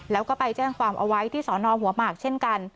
แล้วก็ไปแจ้งความเอาไว้ที่สอนอหัวหมากเช่นกัน